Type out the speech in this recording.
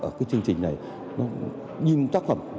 ở chương trình này những tác phẩm